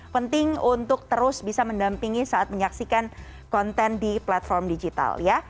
penting untuk terus bisa mendampingi saat menyaksikan konten di platform digital